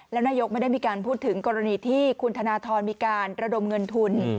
แล้วนายกไม่ได้มีการพูดถึงกรณีที่คุณธนทรมีการระดมเงินทุน